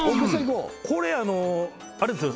こうこれあれですよ